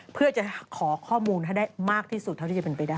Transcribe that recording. เพื่อจะขอข้อมูลให้ได้มากที่สุดเท่าที่จะเป็นไปได้